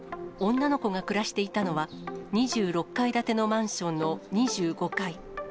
女の子が暮らしていたのは、２６階建てのマンションの２５階。